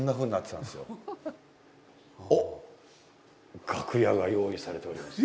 おっ楽屋が用意されております。